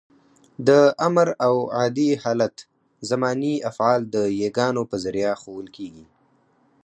د امر او عادي حالت زماني افعال د يګانو په ذریعه ښوول کېږي.